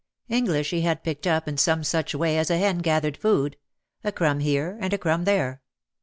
English he had picked up in some such way as a hen gathered food, a crumb here and a crumb there.